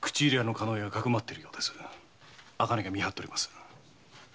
茜が見張ってます。